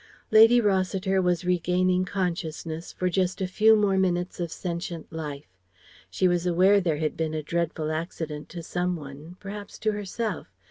Linda Rossiter was regaining consciousness for just a few more minutes of sentient life. She was aware there had been a dreadful accident to some one; perhaps to herself.